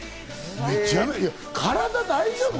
体、大丈夫？